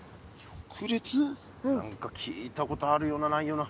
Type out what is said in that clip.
何か聞いたことあるようなないような。